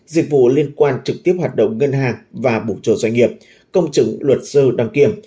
dịch vụ liên quan trực tiếp hoạt động ngân hàng và bụng trồ doanh nghiệp công chứng luật sơ đăng kiểm